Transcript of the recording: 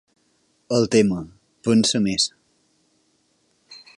El tema, "Pensa més".